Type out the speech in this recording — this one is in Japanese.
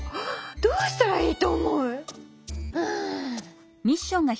どうしたらいいと思う？はあ。